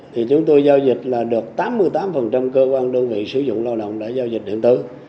thì chúng tôi giao dịch là được tám mươi tám cơ quan đơn vị sử dụng lao động để giao dịch điện tử